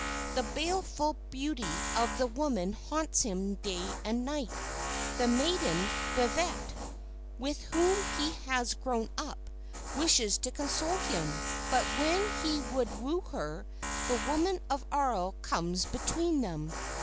The baleful beauty of the woman haunts him day and night. The maiden Vivette, with whom he has grown up, wishes to console him; but, when he would woo her, the woman of Arles comes between them.